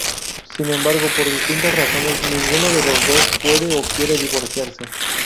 Sin embargo, por distintas razones, ninguno de los dos puede o quiere divorciarse.